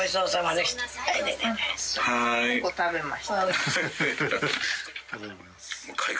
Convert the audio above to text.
結構食べました。